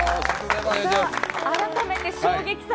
改めて衝撃作。